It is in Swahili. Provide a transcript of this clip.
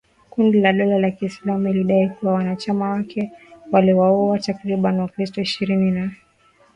kundi la dola ya kiislamu ilidai kuwa wanachama wake waliwauwa takribani wakristo ishirini na